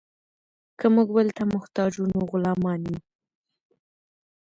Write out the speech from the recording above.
که موږ بل ته محتاج وو نو غلامان یو.